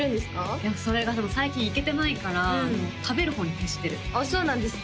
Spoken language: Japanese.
いやそれが最近行けてないから食べる方に徹してるあっそうなんですか